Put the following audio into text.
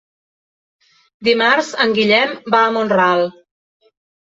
Dimarts en Guillem va a Mont-ral.